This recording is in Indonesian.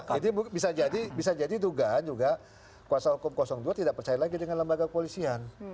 jadi bisa jadi dugaan juga kuasa hukum dua tidak percaya lagi dengan lembaga kepolisian